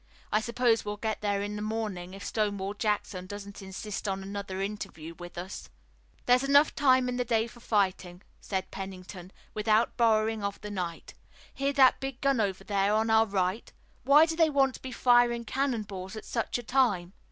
I suppose we'll get there in the morning, if Stonewall Jackson doesn't insist on another interview with us." "There's enough time in the day for fighting," said Pennington, "without borrowing of the night. Hear that big gun over there on our right! Why do they want to be firing cannon balls at such a time?"